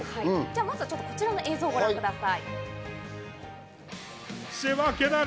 まずはこちらの映像をご覧ください。